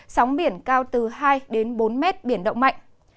sóng biển cao từ hai bốn m biển động mạnh